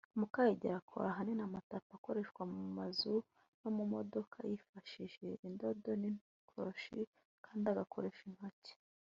Mukahigiro akora ahanini amatapi akoreshwa mu mazu no mu modoka yifashije indodo n’ikoroshi ( crochet) kandi agakoresha intoki